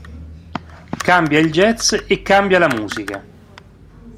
Cambia il jazz e cambia la musica.